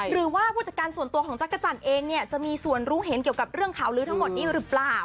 หรือว่าผู้จัดการส่วนตัวของจักรจันทร์เองเนี่ยจะมีส่วนรู้เห็นเกี่ยวกับเรื่องข่าวลื้อทั้งหมดนี้หรือเปล่า